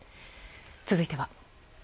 続いては。